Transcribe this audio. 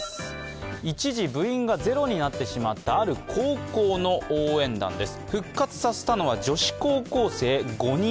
一時、部員がゼロになってしまったある高校の応援団です。